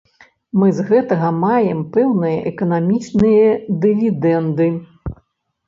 Мы з гэтага маем пэўныя эканамічныя дывідэнды.